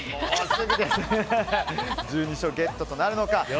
１２勝ゲットとなるのか。